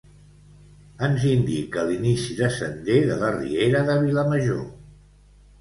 ens indica l'inici de sender de la riera de Vilamajor